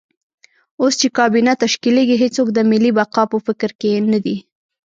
اوس چې کابینه تشکیلېږي هېڅوک د ملي بقا په فکر کې نه دي.